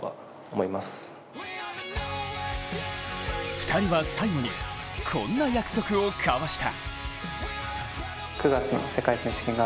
２人は最後にこんな約束を交わした。